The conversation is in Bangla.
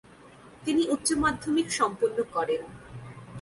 তিনি উচ্চ মাধ্যমিক সম্পন্ন করেন।